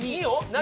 何？